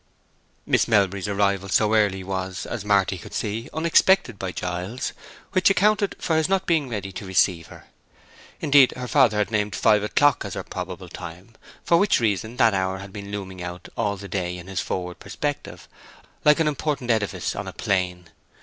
Miss Melbury's arrival so early was, as Marty could see, unexpected by Giles, which accounted for his not being ready to receive her. Indeed, her father had named five o'clock as her probable time, for which reason that hour had been looming out all the day in his forward perspective, like an important edifice on a plain.